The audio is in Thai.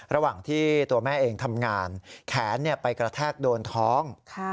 ระหว่างที่ตัวแม่เองทำงานแขนไปกระแทกโดนท้อง